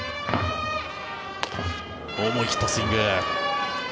思い切ったスイング。